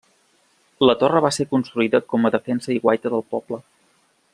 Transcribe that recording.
La torre va ser construïda com a defensa i guaita del poble.